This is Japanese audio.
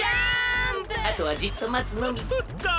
あとはじっとまつのみ。